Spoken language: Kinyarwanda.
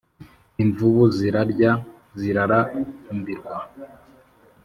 Imvubu zirarya zirarambirwa